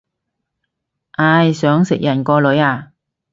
唉，想食人個女啊